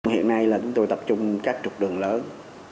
hiện nay là chúng tôi tập trung các trục đường lớn